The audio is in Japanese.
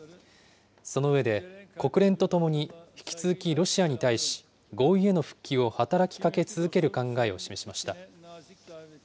その上で、国連とともに引き続きロシアに対し、合意への復帰を働きかけ続ける考えを示しました。